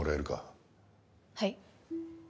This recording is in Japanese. はい。